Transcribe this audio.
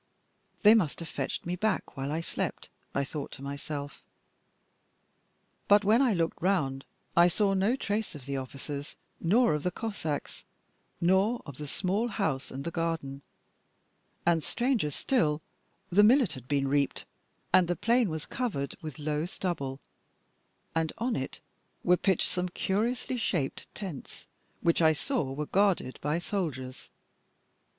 "They must have fetched me back while I slept," I thought to myself. But when I looked round I saw no trace of the officers, nor of the Cossacks, nor of the small house and the garden, and, stranger still, the millet had been reaped and the plain was covered with low stubble, and on it were pitched some curiously shaped tents, which I saw were guarded by soldiers.